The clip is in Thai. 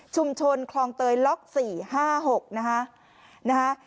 ชุมชนคลองเตยล็อก๔๕๖นะคะ